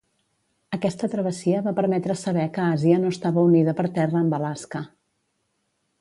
Aquesta travessia va permetre saber que Àsia no estava unida per terra amb Alaska.